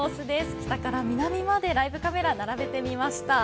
北から南までライブカメラ、並べてみました。